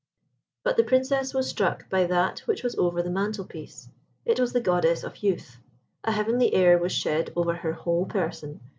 But the Princess was struck by that which was over the mantel piece. It was the Goddess of Youth. A heavenly air was shed over her whole person.